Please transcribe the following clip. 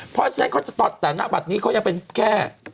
เพราะฉะนั้นเขาจะตัดแต่ณบัตรนี้เขายังเป็นแค่